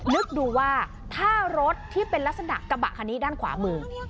นึกดูว่าถ้ารถที่เป็นลักษณะกระบะคันนี้ด้านขวามือ